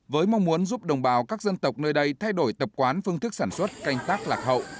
với mong muốn giúp đồng bào các dân tộc nơi đây thay đổi tập quán phương thức sản xuất canh tác lạc hậu